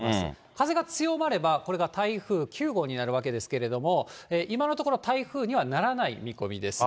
風が強まれば、これが台風９号になるわけですけれども、今のところ、台風にはならない見込みです。